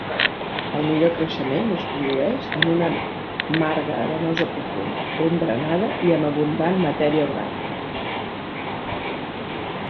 El millor creixement es produeix en una marga arenosa profunda, ben drenada i amb abundant matèria orgànica.